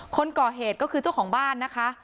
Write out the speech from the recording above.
คนก่อเหตุก็คือเจ้าของบ้านนะคะ